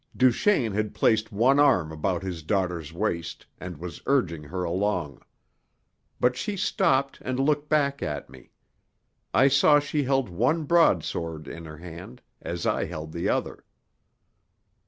Duchaine had placed one arm about his daughter's waist, and was urging her along. But she stopped and looked back to me. I saw she held one broadsword in her hand, as I held the other.